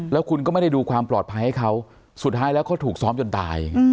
แล้วคุณก็ไม่ได้ดูความปลอดภัยให้เขาสุดท้ายแล้วเขาถูกซ้อมจนตาย